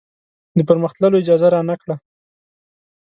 د پر مخ تللو اجازه رانه کړه.